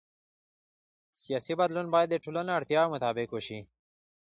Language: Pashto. سیاسي بدلون باید د ټولنې اړتیاوو مطابق وشي